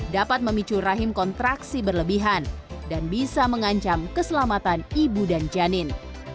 dapat memicu rahim kontraksi berlebihan dan bisa mengancam keselamatan ibu dan janin